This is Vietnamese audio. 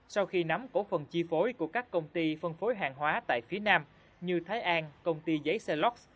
sau khi nắm cổ phần chi phối của các công ty phân phối hàng hóa tại phía nam như thái an công ty giấy xe logs